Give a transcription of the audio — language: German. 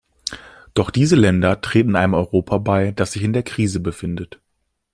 Doch diese Länder treten einem Europa bei, das sich in der Krise befindet.